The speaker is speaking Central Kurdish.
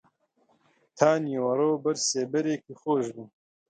تا نیوەڕۆ بەر سێبەرێکی خۆش بوو